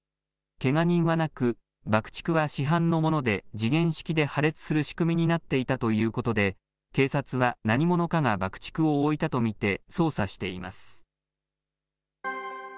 けが人はなく、爆竹は市販のもので、時限式で破裂する仕組みになっていたということで、警察は何者かが爆竹を置いたと見て、捜査しています。